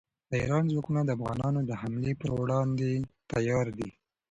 د ایران ځواکونه د افغانانو د حملې پر وړاندې تیار دي.